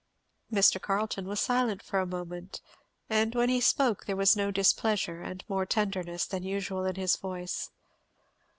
Mr. Carleton was silent a moment; and when he spoke there was no displeasure and more tenderness than usual in his voice.